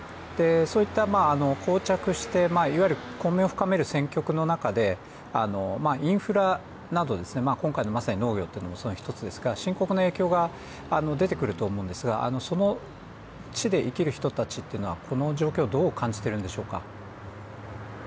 そういった膠着して、いわゆる混迷を深める戦局の中でインフラなど、今回のまさに農業というのもその一つですけれど深刻な影響が出てくると思うんですがその地で生きる人たちというのはこの状況をどう感じているんでしょうか？